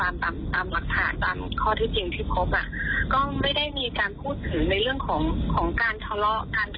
ตามตามหลักฐานตามข้อที่จริงที่พบอ่ะก็ไม่ได้มีการพูดถึงในเรื่องของการทะเลาะกัน